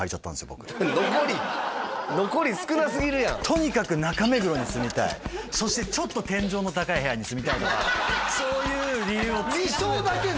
僕残り残り少なすぎるやんとにかく中目黒に住みたいそしてちょっと天井の高い部屋に住みたいとかそういう理由を突き詰めて理想だけで？